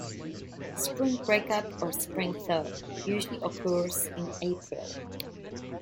Spring break-up, or spring thaw, usually occurs in April.